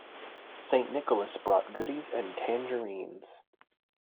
St. Nicholas brought goodies and tangerines.